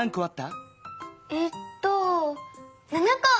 えっと７こ！